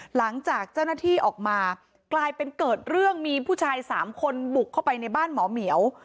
หลังจากเจ้าหน้าที่ออกมากลายเป็นเกิดเรื่องมีผู้ชายสามคนบุกเข้าไปในบ้านหมอเหมียว